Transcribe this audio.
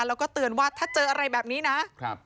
แล้วก็เตือนว่าถ้าเจออะไรแบบนี้นะครับ